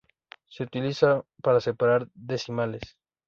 Se utiliza para separar decimales.